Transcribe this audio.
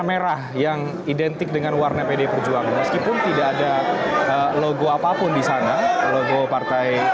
va waiting kan tadi diserah orang orang di dalam jalur jauh